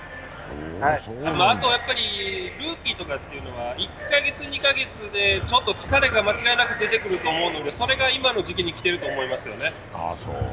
あとルーキーとかは１カ月、２カ月でちょっと疲れが間違いなく出てくると思うのでそれが今の時期にきてると思いますよね。